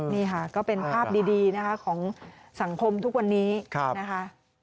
นี่ค่ะก็เป็นภาพดีนะคะของสังคมทุกวันนี้นะคะ